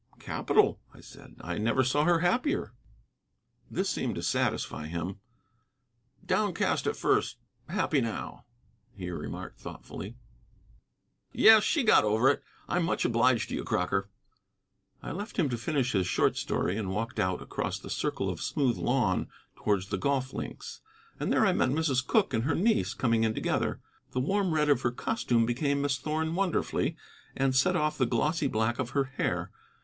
"Capital," I said; "I never saw her happier." This seemed to satisfy him. "Downcast at first, happy now," he remarked thoughtfully. "Yes, she got over it. I'm much obliged to you, Crocker." I left him to finish his short story and walked out across the circle of smooth lawn towards the golf links. And there I met Mrs. Cooke and her niece coming in together. The warm red of her costume became Miss Thorn wonderfully, and set off the glossy black of her hair.